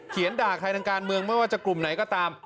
ด่าใครทางการเมืองไม่ว่าจะกลุ่มไหนก็ตาม